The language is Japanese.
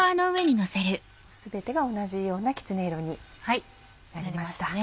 全てが同じようなきつね色になりました。